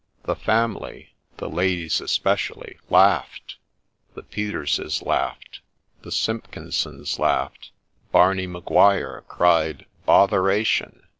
The family, the ladies especially, laughed ;— the Peterses laughed ;— the Simpkinsons laughed ;— Barney Maguire cried ' Botheration